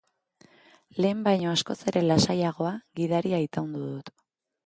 Lehen baino askoz ere lasaiagoa, gidaria itaundu dut.